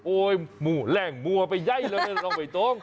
โอ้ยหมู่แหล่งมัวไปไย่แล้วลองไปตรง